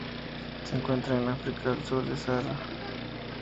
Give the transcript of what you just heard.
Se encuentran en África al sur del Sáhara.